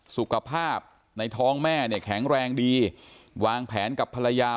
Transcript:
สุขภาพในท้องแม่เนี่ยแข็งแรงดีวางแผนกับภรรยา